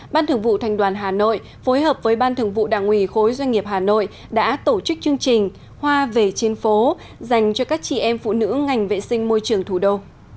ban thường vụ thành đoàn hà nội phối hợp với ban thường vụ đảng ủy khối doanh nghiệp hà nội đã tổ chức chương trình hoa về trên phố dành cho các chị em phụ nữ ngành vệ sinh môi trường thủ đô